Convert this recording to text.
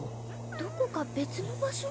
どこか別の場所？